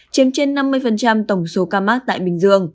chiếm trên năm mươi tổng số ca mắc tại bình dương